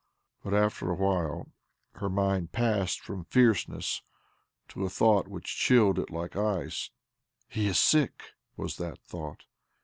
But after a while her mind passed from fierceness to a thought which chilled it like ice. "He is sick," was that thought.